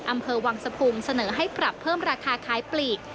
อำเคราะห์วังสภูมิเสนอให้ปรับเพิ่มราคาค้ายปลีก